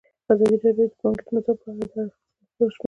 ازادي راډیو د بانکي نظام په اړه د هر اړخیز پوښښ ژمنه کړې.